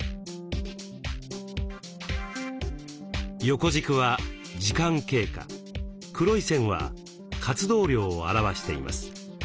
横軸は時間経過黒い線は活動量を表しています。